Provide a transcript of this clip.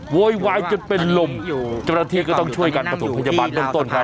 วอยวายจนเป็นลมจริงประเทศก็ต้องช่วยกันประสุทธิ์พยาบาลต้นครับ